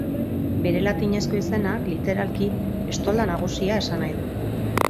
Bere latinezko izenak, literalki, Estolda Nagusia esan nahi du.